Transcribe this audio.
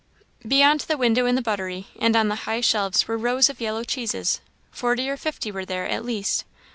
Beyond the window in the buttery, and on the higher shelves were rows of yellow cheeses; forty or fifty were there, at least.